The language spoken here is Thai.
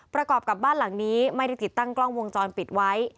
ประกอบกับบ้านหลังนี้ไม่ได้ติดตั้งกล้องวงจรปิดไว้